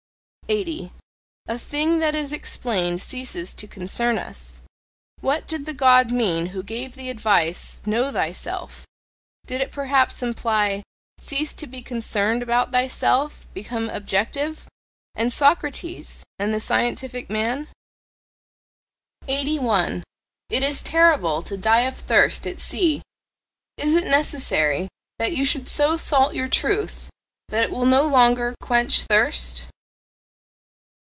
80. A thing that is explained ceases to concern us What did the God mean who gave the advice, "Know thyself!" Did it perhaps imply "Cease to be concerned about thyself! become objective!" And Socrates? And the "scientific man"? 81. It is terrible to die of thirst at sea. Is it necessary that you should so salt your truth that it will no longer quench thirst?